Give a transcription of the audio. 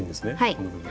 この部分。